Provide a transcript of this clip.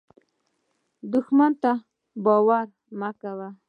دښمن ته مه باور کوه